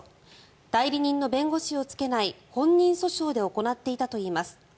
代理人の弁護士をつけない本人訴訟で行っていたといいます。